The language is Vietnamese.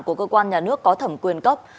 của cơ quan nhà nước có thẩm quyền cấp